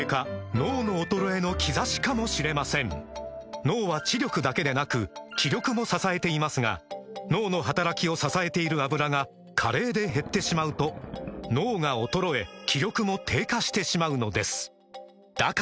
脳の衰えの兆しかもしれません脳は知力だけでなく気力も支えていますが脳の働きを支えている「アブラ」が加齢で減ってしまうと脳が衰え気力も低下してしまうのですだから！